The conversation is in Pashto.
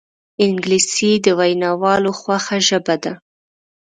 انګلیسي د ویناوالو خوښه ژبه ده